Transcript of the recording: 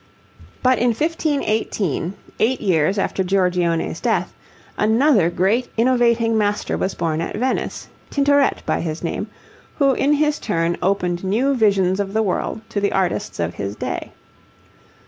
But in 1518, eight years after Giorgione's death, another great innovating master was born at Venice, Tintoret by name, who in his turn opened new visions of the world to the artists of his day.